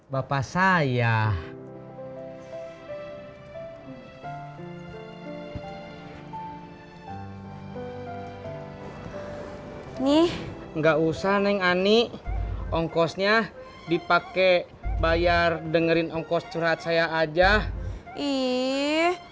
bapak saya nih nggak usah neng ani ongkosnya dipakai bayar dengerin ongkos curhat saya aja ih